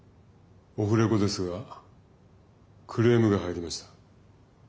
オフレコですがクレームが入りました。